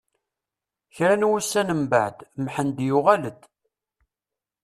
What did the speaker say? Kra n wussan mbeɛd, Mḥend yuɣal-d.